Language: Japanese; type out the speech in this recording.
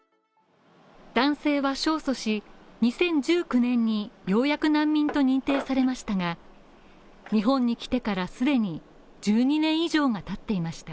男性は勝訴し、２０１９年にようやく難民と認定されましたが、日本に来てから既に１２年以上が経っていました